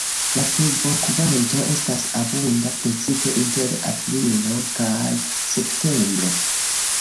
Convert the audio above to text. La pluvokvanto estas abunda precipe inter aprilo kaj septembro.